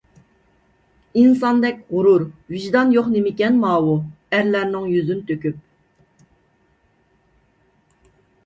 ئىنساندەك غۇرۇر، ۋىجدان يوق نېمىكەن ماۋۇ! ئەرلەرنىڭ يۈزىنى تۆكۈپ.